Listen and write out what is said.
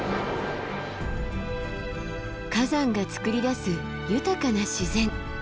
火山がつくり出す豊かな自然。